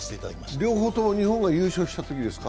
両方とも日本が優勝したときですか？